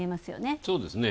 そうですね。